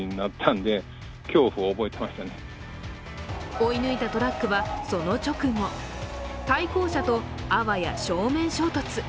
追い抜いたトラックはその直後、対向車とあわや正面衝突。